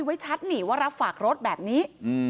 ไว้ชัดนี่ว่ารับฝากรถแบบนี้